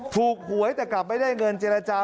หวยแต่กลับไม่ได้เงินเจรจา